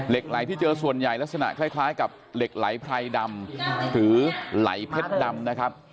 ไหลที่เจอส่วนใหญ่ลักษณะคล้ายกับเหล็กไหลไพรดำหรือไหลเพชรดำนะครับ